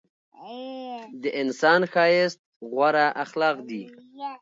د انسان ښایست غوره اخلاق دي.